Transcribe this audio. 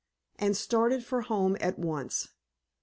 and started for home at once.